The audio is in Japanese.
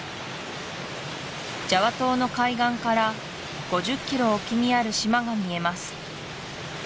ジャワ島の海岸から５０キロ沖にある島が見えます